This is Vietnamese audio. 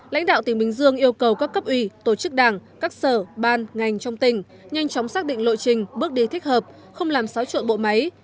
lãnh đạo tỉnh bình dương yêu cầu các cấp ủy tổ chức đảng các sở ban ngành trong tỉnh nhanh chóng xác định lộ trình bước đi thích hợp không làm xáo trộn bộ máy